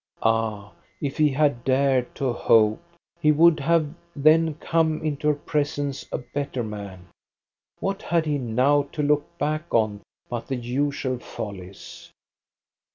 Ah, if he had dared to hope ! He would have then come into her presence a better man. What had he now to look back on but the usual follies